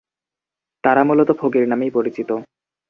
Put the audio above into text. তারা মূলত ফকির নামেই পরিচিত।